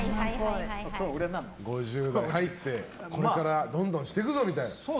５０代に入って、これからどんどんしてくぞという。